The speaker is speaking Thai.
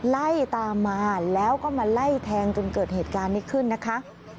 ไล่ตามมาแล้วก็มาไล่แทงจนเกิดเหตุการณ์นี้ขึ้นนะคะ